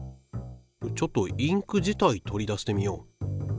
ちょっとインク自体取り出してみよう。